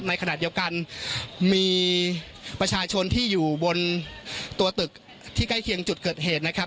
ในขณะเดียวกันมีประชาชนที่อยู่บนตัวตึกที่ใกล้เคียงจุดเกิดเหตุนะครับ